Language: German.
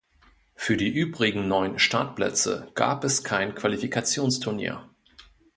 Für die übrigen neun Startplätze gab es kein Qualifikationsturnier.